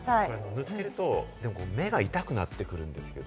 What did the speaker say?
塗っていると目が痛くなってくるんですけれど。